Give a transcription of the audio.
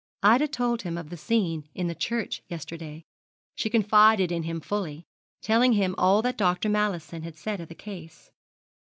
Ida told him of the scene in the church yesterday she confided in him fully telling him all that Dr. Mallison had said of the case.